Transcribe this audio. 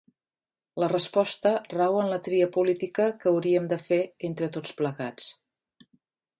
La resposta rau en la tria política que hauríem de fer entre tots plegats.